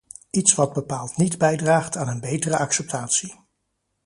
Iets wat bepaald niet bijdraagt aan een betere acceptatie.